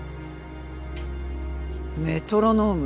メトロノーム。